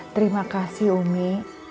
terima kasih umi